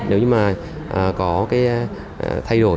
nếu như mà có cái thay đổi